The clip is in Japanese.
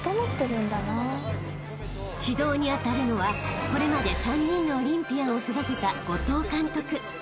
［指導に当たるのはこれまで３人のオリンピアンを育てた］